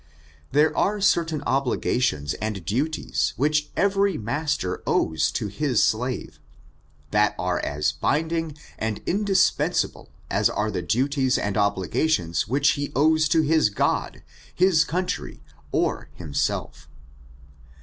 There are ceitain obligationa and duties which every master owes to his slave, that are as binding and indispensable as are the duties and obligations which he owes to his God, his country, ur himself.